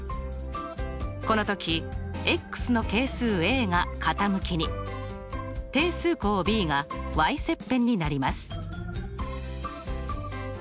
この時の係数が傾きに定数項ｂが切片になります。